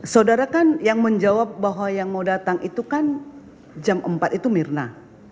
saudara kan yang menjawab bahwa yang mau datang itu kan jam empat itu mirna